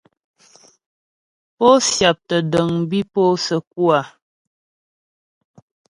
Pó syáptə́ dəŋ bi pó səkú a ?